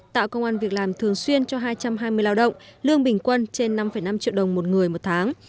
tạo công an việc làm thường xuyên cho hai trăm hai mươi lao động lương bình quân trên năm năm triệu đồng một người một tháng